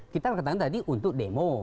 kita katakan tadi untuk demo